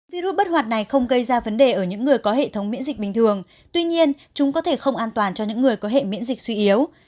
virus bất hoạt này không gây ra vấn đề ở những người có hệ thống miễn dịch bình thường tuy nhiên chúng có thể không an toàn cho những người có hệ miễn dịch suy yếu